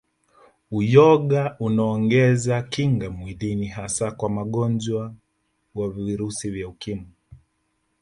Uyoga unaongeza kinga mwilini hasa kwa wangonjwa wa Virusi vya Ukimwi